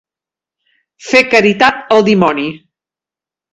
Fer caritat al dimoni.